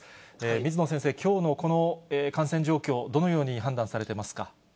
水野先生、きょうのこの感染状況、どのように判断されてますか。